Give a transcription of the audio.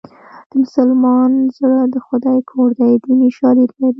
د مسلمان زړه د خدای کور دی دیني شالید لري